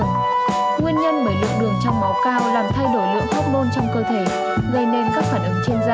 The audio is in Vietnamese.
nguyên nhân bởi lượng đường trong máu cao làm thay đổi lượng thóc môn trong cơ thể gây nên các phản ứng trên da